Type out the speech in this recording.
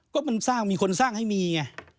ก็มันสร้างมีคนสร้างให้มีไง